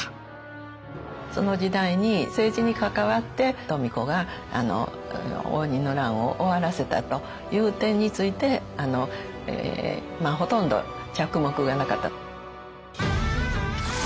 その時代に政治に関わって富子が応仁の乱を終わらせたという点についてほとんど着目がなかった。